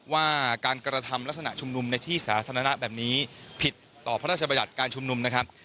ว่าการกระทำลักษณะชุมนุมในที่สาธารณะแบบนี้ผิดต่อพระราชบัญญัติการชุมนุมนะครับ